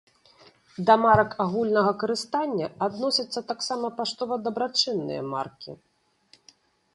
Да марак агульнага карыстання адносяцца таксама паштова-дабрачынныя маркі.